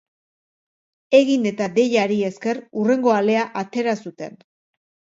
Egin eta Deiari esker hurrengo alea atera zuten.